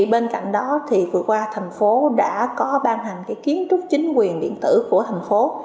bên cạnh đó vừa qua thành phố đã ban hành kiến trúc chính quyền điện tử của thành phố